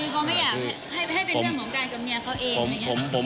คือเขาไม่อยากให้เป็นเรื่องของการกับเมียเขาเอง